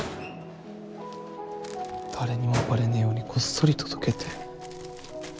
誰にもバレねえようにこっそり届けて。